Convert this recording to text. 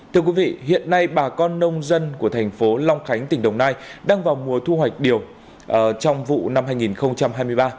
thưa quý vị hiện nay bà con nông dân của thành phố long khánh tỉnh đồng nai đang vào mùa thu hoạch điều trong vụ năm hai nghìn hai mươi ba